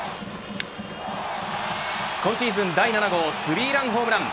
今シーズン第７号スリーランホームラン。